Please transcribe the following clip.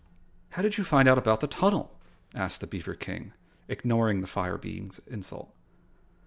"How did you find out about the tunnel?" asked the beaver King, ignoring the fire being's insult.